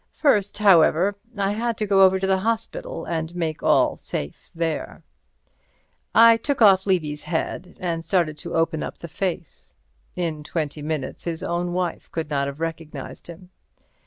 First, however, I had to go over to the hospital and make all safe there. I took off Levy's head, and started to open up the face. In twenty minutes his own wife could not have recognized him.